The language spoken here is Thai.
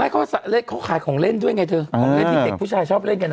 เขาขายของเล่นด้วยไงเธอของเล่นที่เด็กผู้ชายชอบเล่นกันนะ